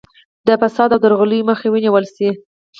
د فساد او درغلیو مخه ونیول شي.